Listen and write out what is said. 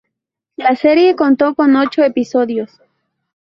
La serie contó con ocho episodios.